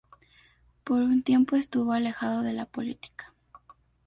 Por un tiempo estuvo alejado de la política.